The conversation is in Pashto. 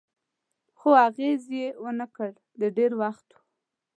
خو اغېز یې و نه کړ، د ډېر وخت و.